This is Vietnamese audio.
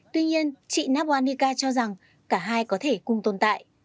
tuy nhiên chị nabwanika cho rằng cả hai có thể cùng tồn tại